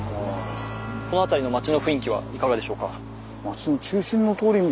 この辺りの町の雰囲気はいかがでしょうか？